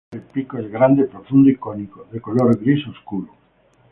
El pico es grande, profundo y cónico, de color gris oscuro.